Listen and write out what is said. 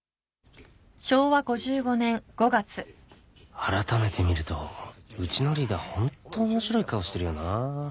あらためて見るとうちのリーダーホント面白い顔してるよな